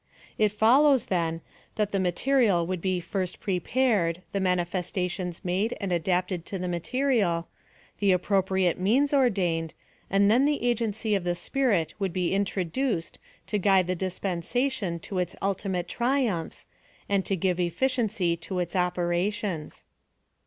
It follows, then, that the material would be first prepared, the manifestations made and adapted to the material, the appropriate means ordained, and then the agen cy of the Spirit would be introduced to guide the dispensation to its ultimate triumphs, and to gi\(} efficiency to its operations.